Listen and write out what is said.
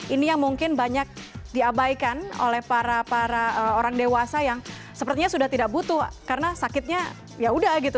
ini yang mungkin banyak diabaikan oleh para orang dewasa yang sepertinya sudah tidak butuh karena sakitnya yaudah gitu